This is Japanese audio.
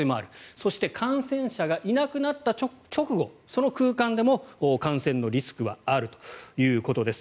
そして、感染者がいなくなった直後その空間でも感染のリスクはあるということです。